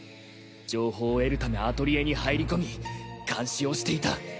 情報を得るためアトリエに入り込み監視をしていた。